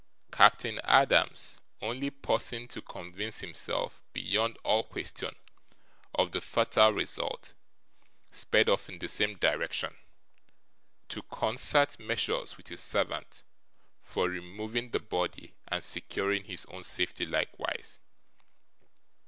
Captain Adams only pausing to convince himself, beyond all question, of the fatal result sped off in the same direction, to concert measures with his servant for removing the body, and securing his own safety likewise.